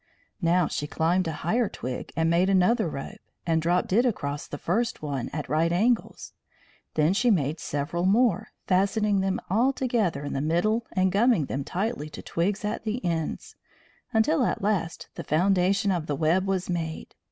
Now she climbed a higher twig and made another rope, and dropped it across the first one at right angles. Then she made several more, fastening them all together in the middle and gumming them tightly to twigs at the ends, until at last the foundation of the web was made.